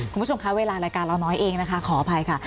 คุณผู้ชมคะเวลารายการเราน้อยเองนะคะขออภัยค่ะ